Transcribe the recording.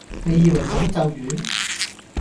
你以為咁就完?